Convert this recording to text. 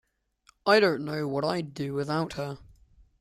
I don't know what I'd do without her.